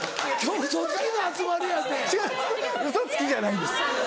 ウソつきじゃないです。